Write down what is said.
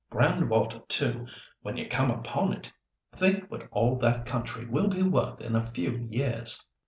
Grand water, too, when you come upon it. Think what all that country will be worth in a few years."